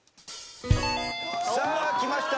さあきました。